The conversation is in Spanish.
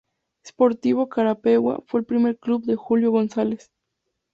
Sportivo Carapeguá fue el primer club de Julio González.